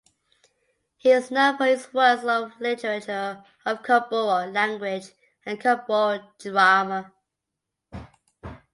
He is known for his works of literature in Kokborok language and Kokborok Drama.